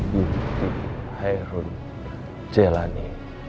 binti harun jalani